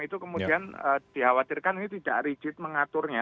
itu kemudian dikhawatirkan ini tidak rigid mengaturnya